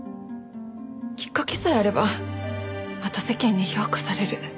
きっかけさえあればまた世間に評価される。